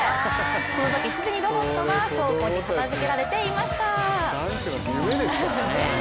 このとき既にロボットは倉庫に片づけられていました。